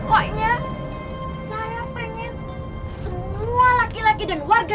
pokoknya saya pengen semua laki laki dan warga